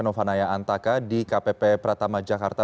novanaya antaka di kpp pratama jakarta